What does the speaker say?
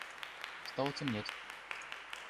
Стало темнеть.